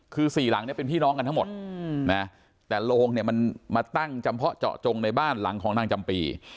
คือสี่หลังเนี่ยเป็นพี่น้องกันทั้งหมดนะแต่โรงเนี่ยมันมาตั้งจำเพาะเจาะจงในบ้านหลังของนางจำปี